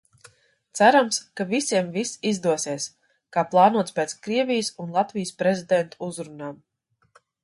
Cerams, ka visiem viss izdosies kā plānots pēc Krievijas un Latvijas prezidentu uzrunām.